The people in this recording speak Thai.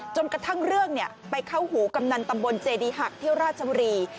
จนกระทั่งเรื่องไปเข้าหูกำนันตำบลเจดีหักเที่ยวราชบุรี